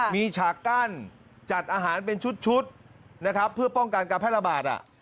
มีฉากกั้นจัดอาหารเป็นชุดนะครับเพื่อป้องกันการแพร่ระบาด